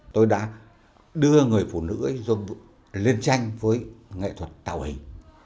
tôi đã đưa người phụ nữ lên tranh với nghệ thuật tạo hình